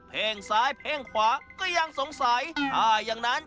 เพ่งซ้ายเพ่งขวาก็ยังสงสัย